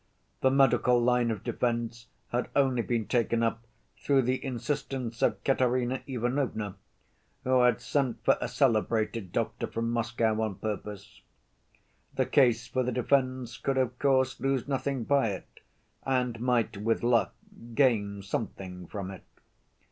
The medical line of defense had only been taken up through the insistence of Katerina Ivanovna, who had sent for a celebrated doctor from Moscow on purpose. The case for the defense could, of course, lose nothing by it and might, with luck, gain something from it.